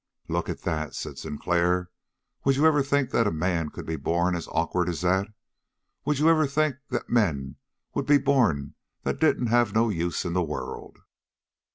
"Look at that," said Sinclair. "Would you ever think that men could be born as awkward as that? Would you ever think that men would be born that didn't have no use in the world?"